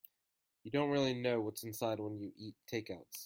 You don't really know what's inside when you eat takeouts.